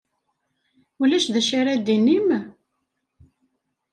Ulac d acu ara d-tinim?